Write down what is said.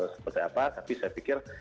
seperti apa tapi saya pikir